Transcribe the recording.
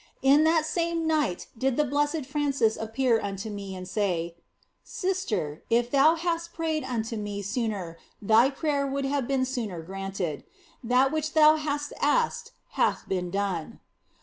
In that same night did the Blessed Francis appear unto me and say :" Sister, if thou hadst prayed unto me sooner thy prayer would have been sooner granted ; that which thou hast asked hath been done."